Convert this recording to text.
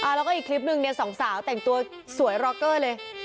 แล้วก็อีกคลิปนึงเนี่ยสองสาวแต่งตัวสวยรอเกอร์เลย